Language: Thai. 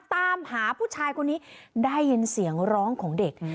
ตามหาผู้ชายคนนี้ได้ยินเสียงร้องของเด็ก